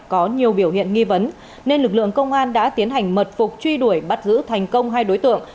có nhiều biểu hiện nghi vấn nên lực lượng công an đã tiến hành mật phục truy đuổi bắt giữ thành công hai đối tượng